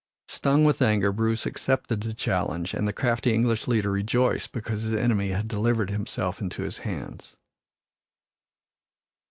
Stung with anger, Bruce accepted the challenge and the crafty English leader rejoiced because his enemy had delivered himself into his hands.